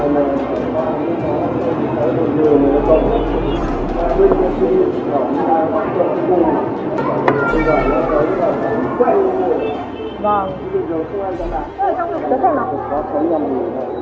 phải gọi vào một quần